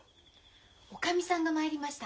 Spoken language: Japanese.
おかみさんが参りました。